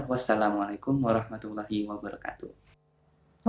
wassalamualaikum warahmatullahi wabarakatuh